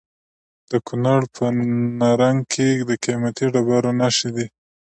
د کونړ په نرنګ کې د قیمتي ډبرو نښې دي.